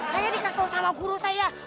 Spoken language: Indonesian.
saya dikasih tahu sama guru saya